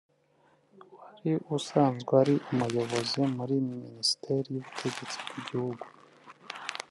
wari usanzwe ari umuyobozi muri Minisiteri y’Ubutegetsi bw’Igihugu